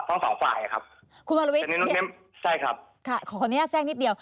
คุณณวราวิทขออนุญาตแจ้งนิดเดียว